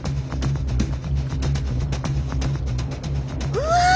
うわ！